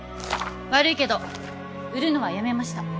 悪いけど売るのはやめました。